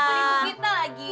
pelihamu kita lagi